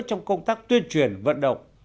trong công tác tuyên truyền vận động